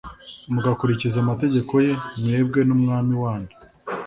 mugakurikiza amategeko ye, mwebwe n'umwami wanyu